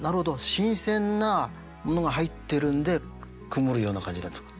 新鮮なものが入ってるんで曇るような感じなんですか？